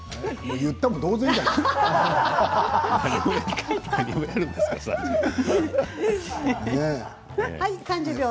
言ったも同然じゃないの。